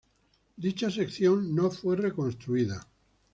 Dicha sección no fue reconstruida.